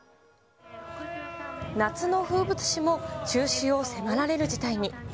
夏の風物詩も中止を迫られる事態に。